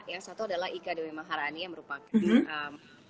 yang satu adalah ika dewi maharani yang merupakan